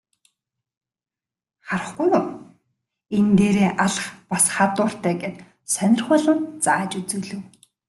Харахгүй юу, энэ дээрээ алх бас хадууртай гээд сонирхуулан зааж үзүүлэв.